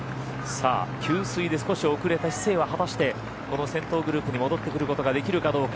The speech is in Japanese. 給水で少し遅れたシセイは果たして、この先頭グループに戻ってくることができるのかどうか。